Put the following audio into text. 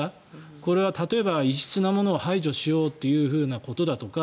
これは例えば、異質なものを排除しようということだとか